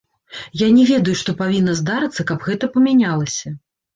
Я не ведаю, што павінна здарыцца, каб гэта памянялася.